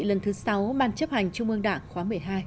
lần thứ sáu ban chấp hành trung ương đảng khóa một mươi hai